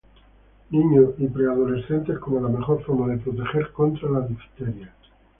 niños y preadolescentes como la mejor forma de proteger contra la difteria